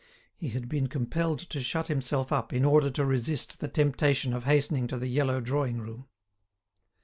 He had been compelled to shut himself up in order to resist the temptation of hastening to the yellow drawing room.